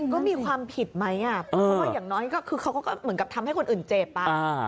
ก็มีความผิดไหมอ่ะเพราะว่าอย่างน้อยก็คือเขาก็เหมือนกับทำให้คนอื่นเจ็บอ่ะ